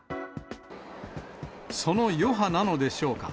その余波なのでしょうか。